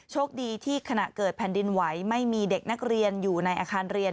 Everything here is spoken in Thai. โชคดีที่ขณะเกิดแผ่นดินไหวไม่มีเด็กนักเรียนอยู่ในอาคารเรียน